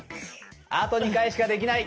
あと２回しかできない！